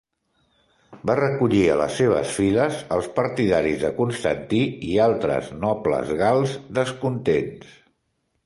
Va recollir a les seves files els partidaris de Constantí i altres nobles gals descontents.